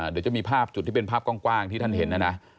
เดี๋ยวจะมีภาพจุดที่เป็นภาพกว้างที่ท่านเห็นนะนะ